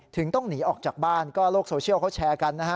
ถึงต้องหนีออกจากบ้านก็โลกโซเชียลเขาแชร์กันนะฮะ